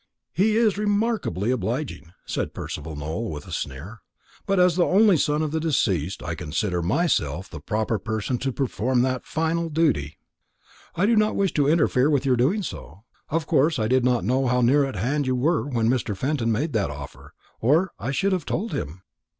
"He is remarkably obliging," said Percival Nowell with a sneer; "but as the only son of the deceased, I consider myself the proper person to perform that final duty." "I do not wish to interfere with your doing so. Of course I did not know how near at hand you were when Mr. Fenton made that offer, or I should have told him."